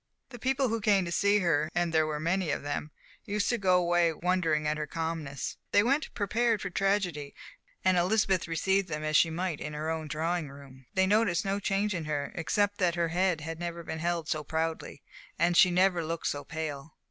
The people who came to see her, and there were many of them, used to go away wondering at her calmness. They went prepared for tragedy, and Elizabeth received them as she might in her own drawing room. They noticed no change in her, except that her head had never been held so proudly, and she had never looked so pale.